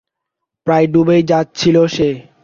প্রায় ডুবেই যাচ্ছিল সে।